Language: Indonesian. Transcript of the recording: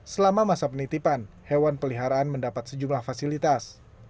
selama masa penitipan hewan peliharaan mendapat sejumlah fasilitas